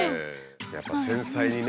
やっぱ繊細にね